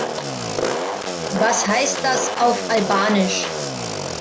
Was heißt das auf Albanisch?